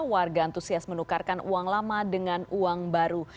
warga antusias menukarkan uang lama dengan uang baru